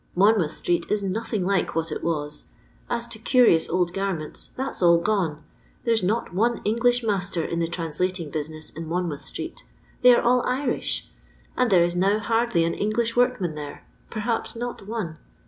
Mon mouth street is nothing like what it was ; as to curious old garmenu, that's all gone. There's not one English master in the translating business in Monmouth street — they are all Irish; and there is now hardly an English workman there — perhaps not one.